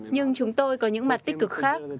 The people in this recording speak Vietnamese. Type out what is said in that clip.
nhưng chúng tôi có những mặt tích cực khác